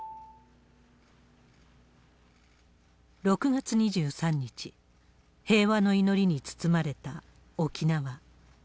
６月２３日、平和の祈りに包まれた沖縄。